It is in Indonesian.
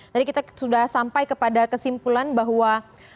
jadi kita sudah sampai kepada kesimpulan bahwa